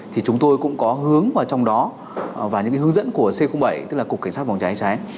thì chúng tôi cũng có hướng vào trong đó và những cái hướng dẫn của c bảy tức là cục cảnh sát phòng trái trái